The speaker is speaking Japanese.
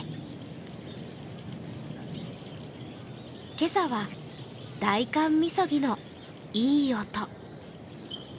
今朝は、大寒みそぎのいい音。